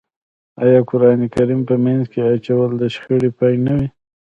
آیا قرآن کریم په منځ کې اچول د شخړې پای نه وي؟